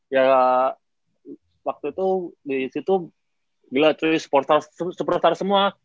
ya waktu itu di situ gila cuy supporter semua